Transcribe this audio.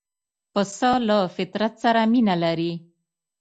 پسه له فطرت سره مینه لري.